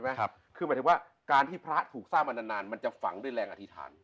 หมายคือหมายถึงว่าการที่พระถูกสร้างมานานมันจะฝังด้วยแรงอธิษฐาน